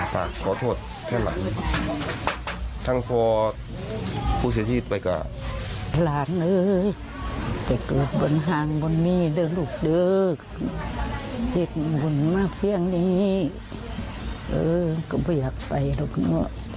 ฟังเสียงคุณยายค่ะ